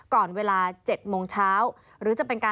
ก่อนเวลา๗โมงเช้า